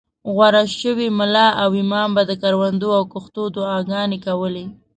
غوره شوي ملا او امام به د کروندو او کښتو دعاګانې کولې.